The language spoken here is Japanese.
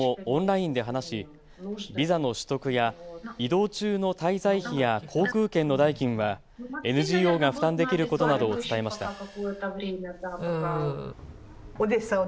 オンラインで話しビザの取得や移動中の滞在費や航空券の代金はＮＧＯが負担できることなどを伝えました。